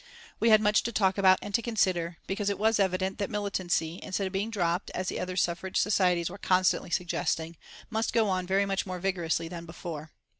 We had much to talk about and to consider, because it was evident that militancy, instead of being dropped, as the other suffrage societies were constantly suggesting, must go on very much more vigorously than before.